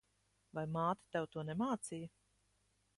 Vai māte tev to nemācīja?